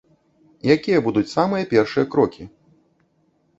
Якія будуць самыя першыя крокі?